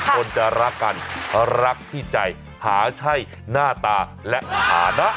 คนจะรักกันเพราะรักที่ใจหาชัยหน้าตาและอาณะ